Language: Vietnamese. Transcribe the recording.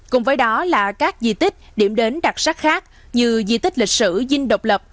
cùng với đó là các di tích điểm đến đặc sắc khác như di tích lịch sử dinh độc lập